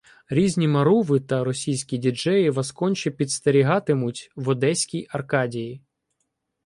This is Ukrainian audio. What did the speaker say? Різні «маруви» та російські діджеї вас конче підстерігатимуть в одеській Аркадії